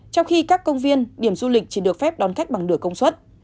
trong khi các công viên điểm du lịch chỉ được phép đón khách bằng nửa công suất